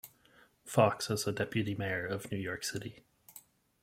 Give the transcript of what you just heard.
Fox as a deputy mayor of New York City.